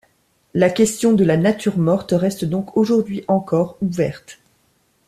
La question de la nature morte reste donc aujourd'hui encore, ouverte.